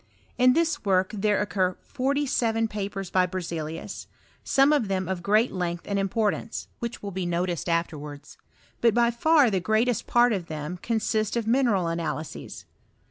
In this work there occur foTty seven papers by EerzcUus, some of them of ^jeat length and importance, which will be noticed afterwards; but by far the greatest part of them consist of mi neral analyses.